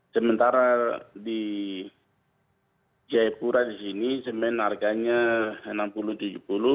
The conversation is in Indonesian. sementara di jaya pura di sini cemen harganya rp enam puluh rp tujuh puluh